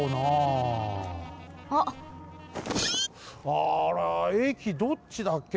あらえきどっちだっけな？